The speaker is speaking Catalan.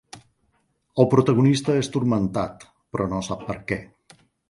El protagonista és turmentat, però no sap per què.